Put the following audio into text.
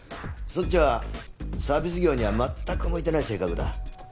そっちはサービス業には全く向いてない性格だ。